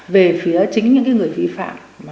về phía chính những người vi phạm